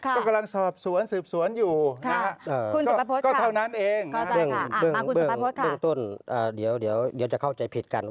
ก็กำลังสอบสวนสืบสวนอยู่นะฮะ